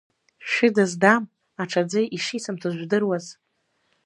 Шәыда здам аҽаӡәы ишисымҭоз жәдыруаз…